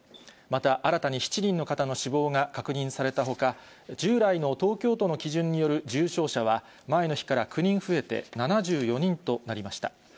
また新たに７人の方の死亡が確認されたほか、従来の東京都の基準による重症者は前の日から９人増えて７４人となりました。